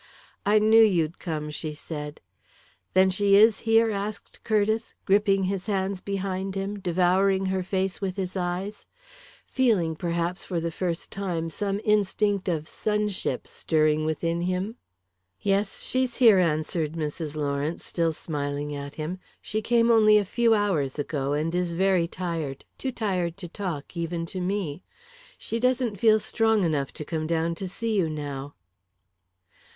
"I knew you'd come," she said. "Then she is here?" asked Curtiss, gripping his hands behind him, devouring her face with his eyes; feeling, perhaps, for the first time, some instinct of sonship stirring within him. "Yes, she's here," answered Mrs. Lawrence, still smiling at him. "She came only a few hours ago and is very tired too tired to talk, even to me. She doesn't feel strong enough to come down to see you now."